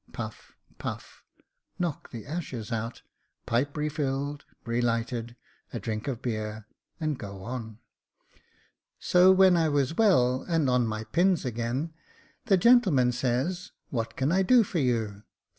[Puff, puff — knock the ashes out, pipe refilled, relighted, a drink of beer, and go on.] So v/hen I was well, and on my pins again, the gentleman says, ' "What can I do for you